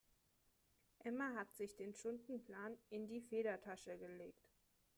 Emma hat sich den Stundenplan in die Federtasche gelegt.